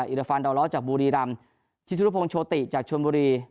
อิรฟันดาวร้อจากบูรีรำทิศุภพงศ์โชติจากชวนบุรี